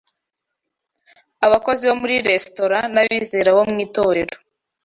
Abakozi bo muri resitora n’abizera bo mu itorero